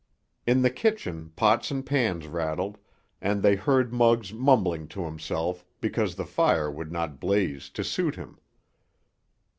In the kitchen pots and pans rattled, and they heard Muggs mumbling to himself because the fire would not blaze to suit him.